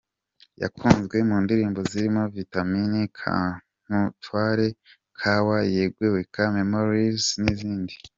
Yakunzwe mu ndirimbo zirimo Vitamin, Kankutwale, Kawa, Yegweweka, Memories n’izindi.